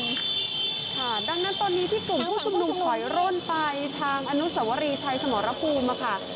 ค่ะดังนั้นตอนนี้ที่กลุ่มผู้ชุมนุมถอยร่นไปทางอนุสวรีชัยสมรภูมิมาค่ะ